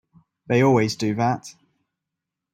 They always do that.